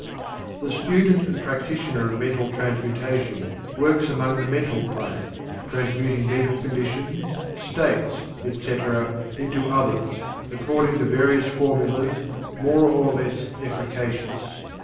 The student and practitioner of Mental Transmutation works among the Mental Plane, transmuting mental conditions, states, etc., into others, according to various formulas, more or less efficacious.